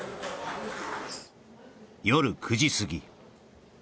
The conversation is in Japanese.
夜９時すぎ